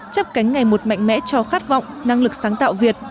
chấp cánh ngày một mạnh mẽ cho khát vọng năng lực sáng tạo việt